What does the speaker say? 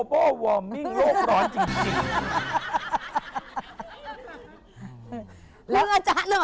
บ่อบ่อวอมมิ่งโลกร้อนจริง